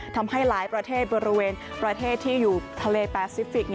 ทำให้หลายประเทศบริเวณประเทศที่อยู่ทะเลแปซิฟิกส